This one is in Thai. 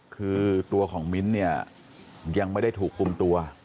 คือตัวของมิ้นท์เนี่ยยังไม่ได้ถูกคุมตัว